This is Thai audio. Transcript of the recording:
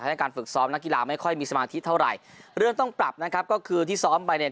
ให้การฝึกซ้อมนักกีฬาไม่ค่อยมีสมาธิเท่าไหร่เรื่องต้องปรับนะครับก็คือที่ซ้อมไปเนี่ย